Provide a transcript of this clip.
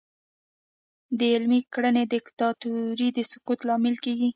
دا عملي کړنې د دیکتاتورۍ د سقوط لامل کیږي.